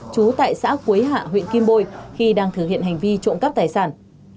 trú tại xã quế hạ huyện kim bôi khi đang thực hiện hành vi trộm cắp tài sản